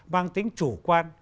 mang tính chủ quan